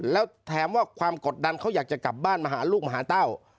แล้วแถมว่าความกดดันเขาอยากจะกลับบ้านมาหาลูกมาหาเต้า